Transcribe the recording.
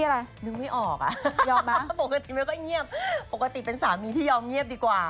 ยังไม่ค่อยเงียบปกติเป็นสามีที่ยอมเงียบดีกว่า